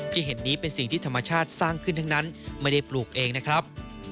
ที่เห็นนี้เป็นสิ่งที่ธรรมชาติสร้างขึ้นทั้งนั้นไม่ได้ปลูกเองนะครับ